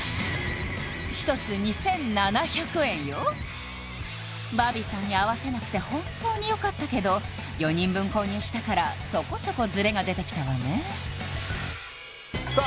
１つ２７００円よバービーさんに合わせなくて本当によかったけど４人分購入したからそこそこズレが出てきたわねさあ